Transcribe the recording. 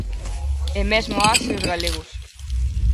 E mesmo as e os galegos.